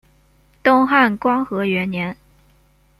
东汉光和元年。